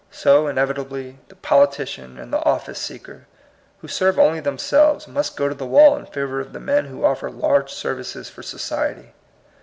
So, inevitably, the politi cian and the ofiice seeker who serve only themselves must go to the wall in favor of the men who ofiFer large services for so ciety.